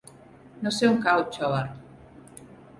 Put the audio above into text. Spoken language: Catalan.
No sé on cau Xóvar.